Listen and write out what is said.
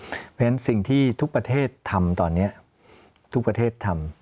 เพราะฉะนั้นสิ่งที่ทุกประเทศทำตอนนี้ทุกประเทศทำ